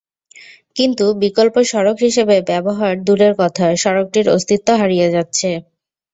কিন্তু বিকল্প সড়ক হিসেবে ব্যবহার দূরের কথা, সড়কটির অস্তিত্ব হারিয়ে যাচ্ছে।